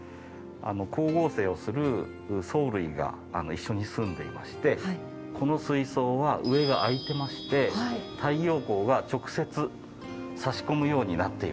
光合成をする藻類が一緒に住んでいましてこの水槽は上が開いてまして太陽光が直接さし込むようになっています。